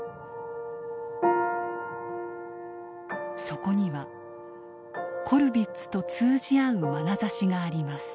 そこにはコルヴィッツと通じ合うまなざしがあります。